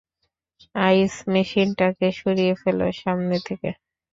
আইস মেশিনটাকে সরিয়ে ফেলো সামনে থেকে!